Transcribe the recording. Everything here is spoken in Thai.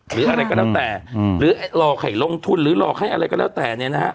หรืออะไรก็แล้วแต่หรือหลอกให้ลงทุนหรือหลอกให้อะไรก็แล้วแต่เนี่ยนะฮะ